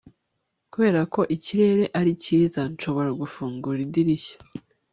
kubera ko ikirere ari cyiza, nshobora gufungura idirishya